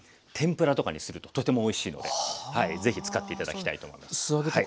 天ぷらとかにするととてもおいしいのでぜひ使って頂きたいと思います。